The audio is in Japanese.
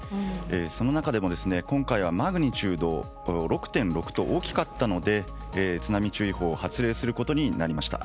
その中でも今回はマグニチュード６．６と大きかったので津波注意報を発令することになりました。